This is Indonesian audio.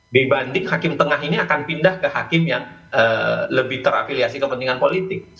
dibanding hakim tengah ini akan pindah ke hakim yang lebih terafiliasi kepentingan politik